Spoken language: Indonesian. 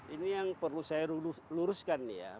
ini yang perlu saya luruskan nih ya